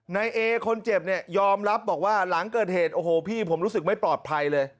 ในเอคนเจ็บเนี่ยยอมรับบอกว่าหลังเกิดเหตุโอ้โหพี่ผมรู้สึกไม่ปลอดภัยเลย